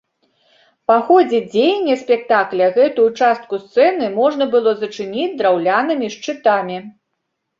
Па ходзе дзеяння спектакля гэтую частку сцэны можна было зачыніць драўлянымі шчытамі.